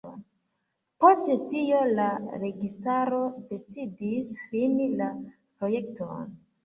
Post tio, la registaro decidis fini la projekton.